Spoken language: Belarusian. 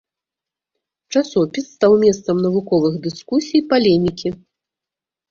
Часопіс стаў месцам навуковых дыскусій, палемікі.